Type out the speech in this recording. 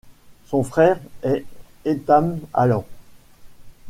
Son frère est Ethan Allen.